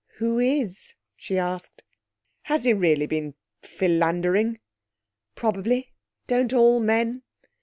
'Who is?' she asked. 'Has he really been philandering?' 'Probably. Don't all men?'